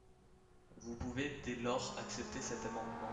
Vous pouvez dès lors accepter cet amendement.